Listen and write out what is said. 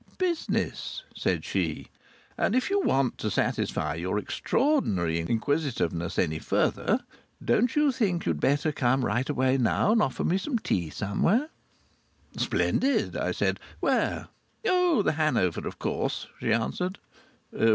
"Business," said she. "And if you want to satisfy your extraordinary inquisitiveness any further, don't you think you'd better come right away now and offer me some tea somewhere?" "Splendid," I said. "Where?" "Oh! The Hanover, of course!" she answered.